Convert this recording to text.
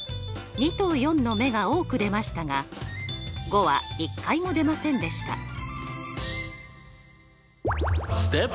２と４の目が多く出ましたが５は一回も出ませんでした。